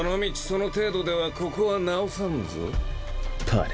その程度ではここは治さんぞ。